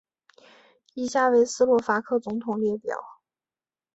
以下为斯洛伐克总统列表。